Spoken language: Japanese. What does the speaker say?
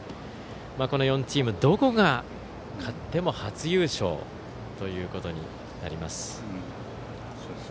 この４チームどこが勝っても初優勝となります。